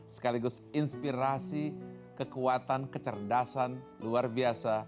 sekaligus inspirasi kekuatan kecerdasan luar biasa